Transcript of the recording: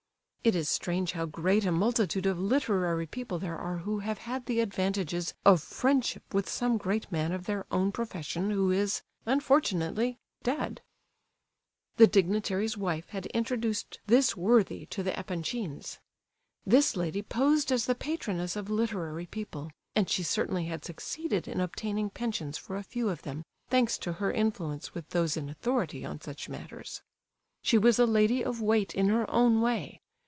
(It is strange how great a multitude of literary people there are who have had the advantages of friendship with some great man of their own profession who is, unfortunately, dead.) The dignitary's wife had introduced this worthy to the Epanchins. This lady posed as the patroness of literary people, and she certainly had succeeded in obtaining pensions for a few of them, thanks to her influence with those in authority on such matters. She was a lady of weight in her own way.